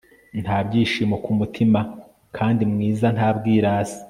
nta byishimo kumutima, kandi mwiza nta bwirasi